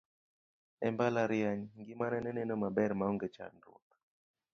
e mbalariany, ngimane ne neno maber maonge chandruok